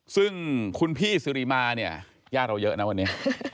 ซึ่งคุณพี่สิริมาเนี่ยญาติเราเยอะนะวันนี้